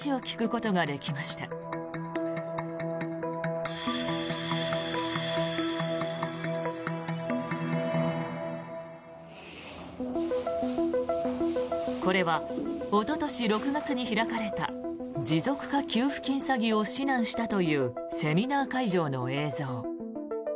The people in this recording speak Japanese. これはおととし６月に開かれた持続化給付金詐欺を指南したというセミナー会場の映像。